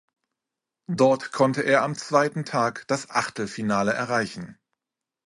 Dort konnte er am zweiten Tag das Achtelfinale erreichen.